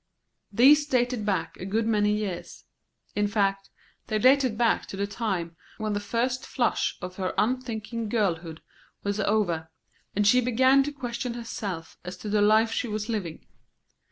These dated back a good many years; in fact, they dated back to the time when the first flush of her unthinking girlhood was over, and she began to question herself as to the life she was living.